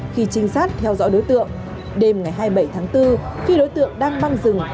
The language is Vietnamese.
khi trinh sát theo dõi đối tượng đêm ngày hai mươi bảy tháng bốn khi đối tượng đang băng rừng